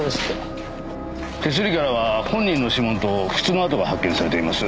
手すりからは本人の指紋と靴の跡が発見されています。